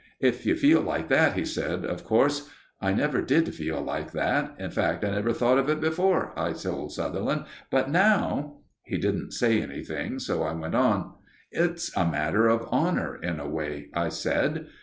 "If you feel like that," he said, "of course " "I never did feel like that; in fact I never thought of it before," I told Sutherland; "but now " He didn't say anything, so I went on: "It's a matter of honour in a way," I said.